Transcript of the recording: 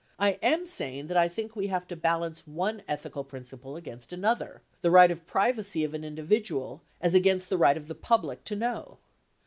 I am saying that I think we have to balance one ethical principle against another, the right of privacy of an indi vidual as against the right of the public to know.